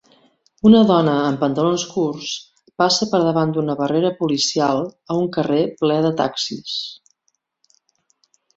Una dona amb pantalons curts passa per davant d'una barrera policial, a un carrer ple de taxis.